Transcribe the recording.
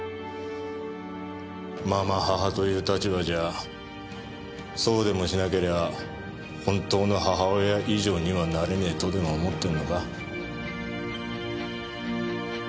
継母という立場じゃそうでもしなけりゃ本当の母親以上にはなれねえとでも思ってんのか？